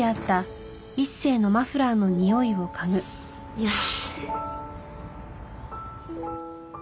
よし。